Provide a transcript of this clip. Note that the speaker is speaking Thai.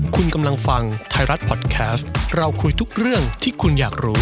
คุณกำลังฟังไทยรัฐพอดแคสต์เราคุยทุกเรื่องที่คุณอยากรู้